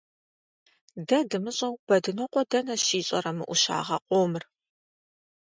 Дэ дымыщӀэу, Бэдынокъуэ дэнэ щищӀэрэ мы Ӏущыгъэ къомыр?